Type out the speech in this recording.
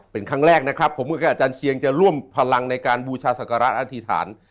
เป็นครั้งแรกนะครับผมกับอาจารย์เชียงจะร่วมพลังในการบูชาศักระอธิษฐาน